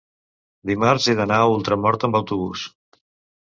dimarts he d'anar a Ultramort amb autobús.